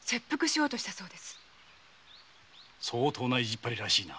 相当な意地っぱりらしいな。